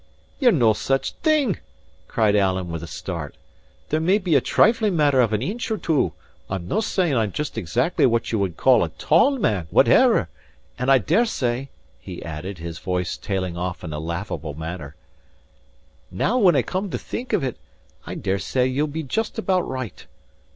"Ye're no such a thing," cried Alan, with a start. "There may be a trifling matter of an inch or two; I'm no saying I'm just exactly what ye would call a tall man, whatever; and I dare say," he added, his voice tailing off in a laughable manner, "now when I come to think of it, I dare say ye'll be just about right.